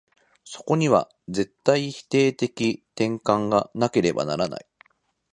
そこには絶対否定的転換がなければならない。